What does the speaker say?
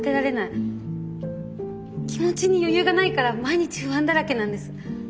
気持ちに余裕がないから毎日不安だらけなんです。